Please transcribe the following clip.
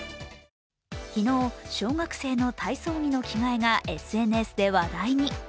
昨日、小学生の体操着の着替えがＳＮＳで話題に。